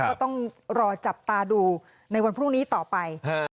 ก็ต้องรอจับตาดูในวันพรุ่งนี้ต่อไป